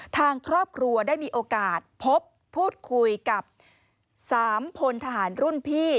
ทางครอบครัวได้มีโอกาสพบพูดคุยกับ๓พลทหารรุ่นพี่